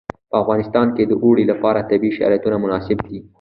په افغانستان کې د اوړي لپاره طبیعي شرایط مناسب دي.